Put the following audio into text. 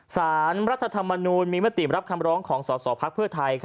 สารรัฐธรรมนูลมีมติรับคำร้องของสสพักเพื่อไทย